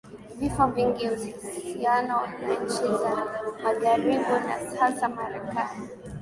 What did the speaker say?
vifo vingi Uhusiano na nchi za magharibi na hasa Marekani